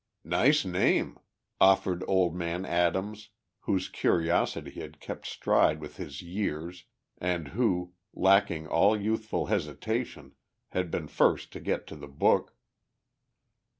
"Nice name," offered old man Adams whose curiosity had kept stride with his years and who, lacking all youthful hesitation, had been first to get to the book.